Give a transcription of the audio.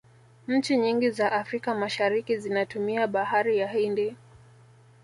nchi nyingi za africa mashariki zinatumia bahari ya hindi